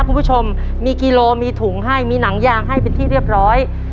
คุณผู้ชมมีกิโลมีถุงให้มีหนังยางให้เป็นที่เรียบร้อย